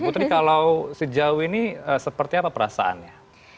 putri kalau sejauh ini seperti apa perasaannya